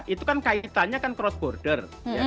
itu kan kaitannya kan cross border